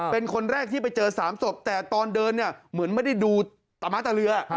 เป็นคนแรกที่ไปเจอ๓ศพแต่ตอนเดินเนี่ยเหมือนไม่ได้ดูตาม้าตาเรือ